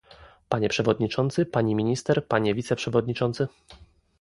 Panie przewodniczący, pani minister, panie wiceprzewodniczący